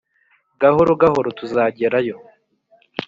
Gahoro gahoro tuzagerayo